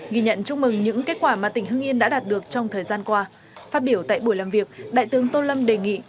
ghi nhận chúc mừng những kết quả mà tỉnh hưng yên đã đạt được trong thời gian qua phát biểu tại buổi làm việc đại tướng tô lâm đề nghị